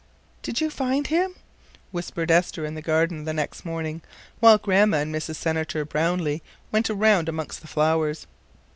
"Did you find Him?" whispered Esther in the garden the next morning, while Grandma and Mrs. Senator Brownlee went around amongst the flowers.